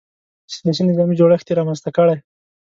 سیاسي نظامي جوړښت یې رامنځته کړی.